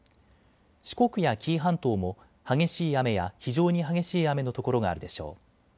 四国や紀伊半島も激しい雨や非常に激しい雨の所があるでしょう。